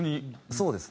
そうです。